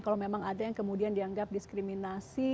kalau memang ada yang kemudian dianggap diskriminasi